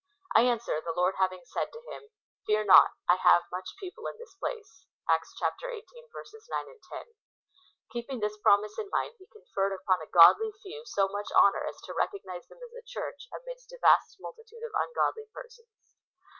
'v I answer, the Lord having said to him, " Fear not : I have much people in this place" (Acts xviii. 9, 10 ;) keeping this promise in mind, he conferred upon a g'odlj few so much honour as to re cognise them as a Church amidst a vast multitude of ungodly persons.